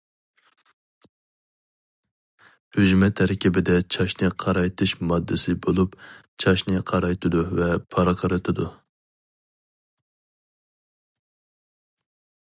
ئۈجمە تەركىبىدە چاچنى قارايتىش ماددىسى بولۇپ، چاچنى قارايتىدۇ ۋە پارقىرىتىدۇ.